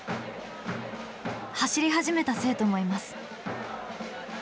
走り始めた生徒もいます。